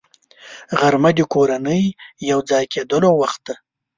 غرمه د کورنۍ یو ځای کېدلو وخت دی